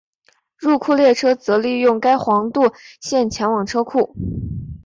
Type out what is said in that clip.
入库列车则利用该横渡线前往车库。